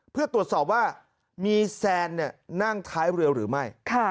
เพื่อตรวจสอบว่ามีแซนนั่งท้ายเรือหรือไม่